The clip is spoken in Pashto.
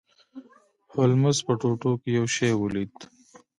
هولمز په ټوټو کې یو شی ولید.